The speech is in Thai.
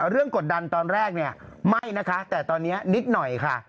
กดดันตอนแรกเนี่ยไม่นะคะแต่ตอนนี้นิดหน่อยค่ะ